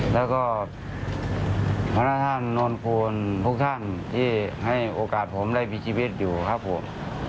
แล้วก็พระน่าท่านนวลควรทุกท่านที่ให้โอกาสผมได้บิจิบิตอยู่ครับผม